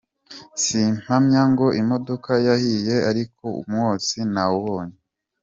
Simpamya ngo imodoka yahiye ariko umwotsi nawubonye.